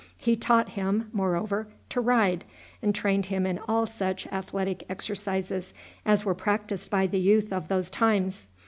He taught him, moreover, to ride, and trained him in all such athletic exercises as were practiced by the youth of those times.